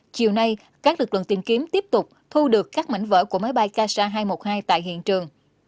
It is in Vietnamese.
chiều nay các lực lượng tìm kiếm tiếp tục thu được các mảnh vỡ của máy bay kasa hai trăm một mươi hai tại hiện trường